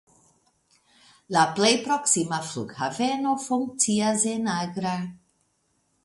La plej proksima flughaveno funkcias en Agra.